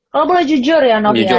kalau boleh jujur ya novia